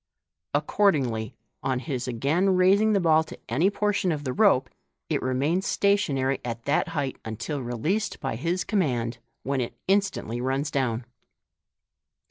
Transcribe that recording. Accordingly, on his again raising the ball to any portion of the rope, it remains stationary at that height until released by his command, when it instantly runs down.